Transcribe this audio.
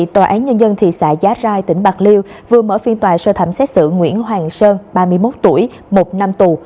tòa án nhân dân thị xã giá rai tỉnh bạc liêu vừa mở phiên tòa sơ thẩm xét xử nguyễn hoàng sơn ba mươi một tuổi một năm tù